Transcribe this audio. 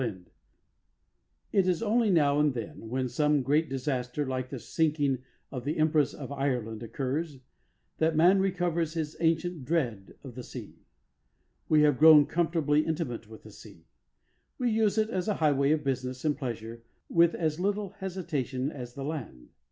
XXV THE SEA It is only now and then, when some great disaster like the sinking of the Empress of Ireland occurs, that man recovers his ancient dread of the sea. We have grown comfortably intimate with the sea. We use it as a highway of business and pleasure with as little hesitation as the land.